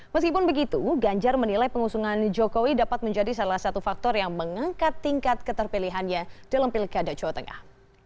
meskipun begitu ganjar menilai pengusungan jokowi dapat menjadi salah satu faktor yang mengangkat tingkat keterpilihannya dalam pilkada jawa tengah